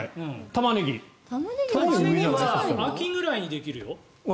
タマネギは秋ぐらいにできるよ。